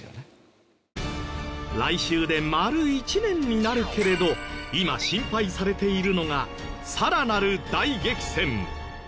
来週で丸１年になるけれど今心配されているのがさらなる大激戦。